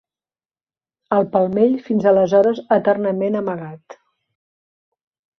...el palmell fins aleshores eternament amagat.